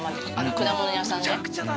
果物屋さんで。